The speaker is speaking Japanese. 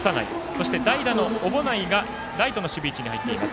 そして代打の小保内がライトの守備位置になっています。